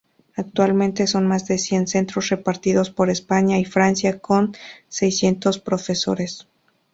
Actualmente son más de cien centros repartidos por España y Francia con seiscientos profesores.